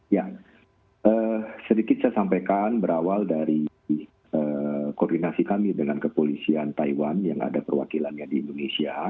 ya sedikit saya sampaikan berawal dari koordinasi kami dengan kepolisian taiwan yang ada perwakilannya di indonesia